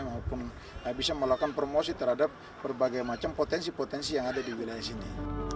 maupun bisa melakukan promosi terhadap berbagai macam potensi potensi yang ada di wilayah sini